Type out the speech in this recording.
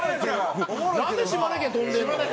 なんで島根県飛んでるの？